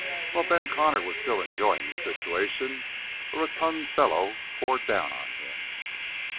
While Ben Connor was still enjoying the situation, a rotund fellow bore down on him.